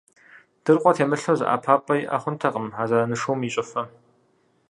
Дыркъуэ темылъу зы ӀэпапӀэ иӀэ хъунтэкъым а зэраншум и щӀыфэм.